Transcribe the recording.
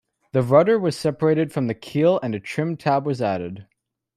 The rudder was separated from the keel and a trim tab was added.